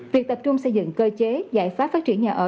việc tập trung xây dựng cơ chế giải pháp phát triển nhà ở